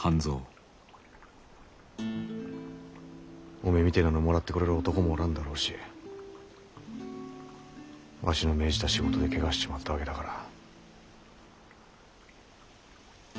おめえみてえなのをもらってくれる男もおらんだろうしわしの命じた仕事でけがしちまったわけだから。